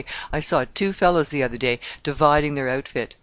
I saw two fellows the other day dividing their outfit.